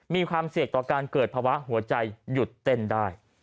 มีความเสี่ยงต่อการเกิดภาวะหัวใจหยุดเต้นได้